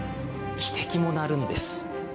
汽笛も鳴るんです。